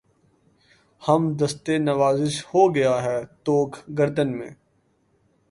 خمِ دستِ نوازش ہو گیا ہے طوق گردن میں